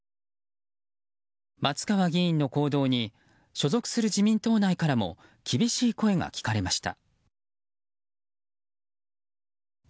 松川議員の行動に所属する自民党内からも厳しい声が聞かれました。